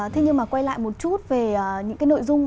thế nhưng mà quay lại một chút về những cái nội dung